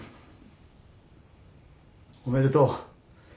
おめでとう。